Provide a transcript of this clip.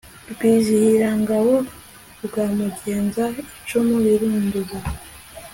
Rwizihirangabo rwa Mugenza icumu ririnduza